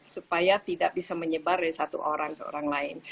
supaya tidak bisa menyebar dari satu orang ke orang lain